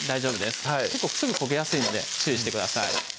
すぐ焦げやすいので注意してください